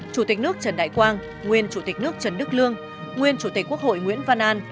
chủ tịch nước trần đại quang nguyên chủ tịch nước trần đức lương nguyên chủ tịch quốc hội nguyễn văn an